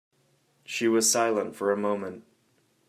She was silent for a moment.